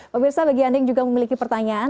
pemirsa bagi anda yang juga memiliki pertanyaan